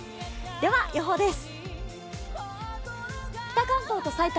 では、予報です。